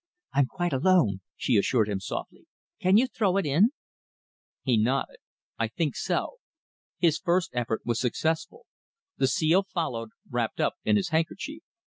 "I'm quite alone," she assured him softly. "Can you throw it in?" He nodded. "I think so." His first effort was successful. The seal followed, wrapped up in his handkerchief.